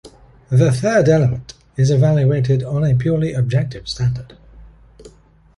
The third element is evaluated on a purely objective standard.